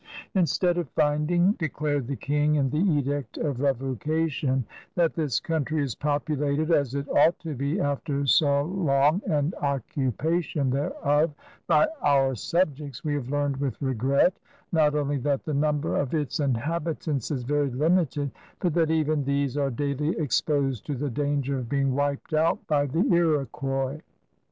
*' Instead of finding,^' declared the King in the edict of revoca tion, *^that this country is populated as it ought to be after so long an occupation thereof by our subjects, we have learned with r^ret not only that the number of its inhabitants is very limited, but that even these are daily exposed to the danger of being wiped out by the Iroquois.''